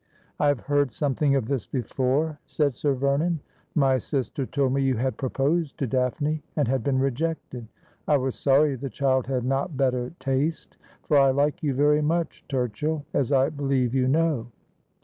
' I have heard something of this before,' said Sir Vernon. ' My sister told me you had proposed to Daphne, and had been rejected. I was sorry the child had not better taste ; for I like you very much, Turchill, as I believe you know.'